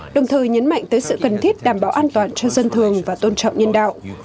đồng thời nhấn mạnh tới sự cần thiết đảm bảo an toàn cho dân thường và tôn trọng nhân đạo